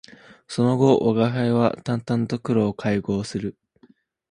その後吾輩は度々黒と邂逅する